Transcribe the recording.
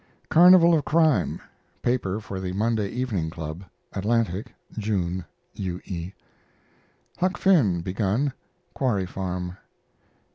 CARNIVAL OF CRIME paper for The Monday Evening Club Atlantic, June. U. E. HUCK FINN begun (Quarry Farm).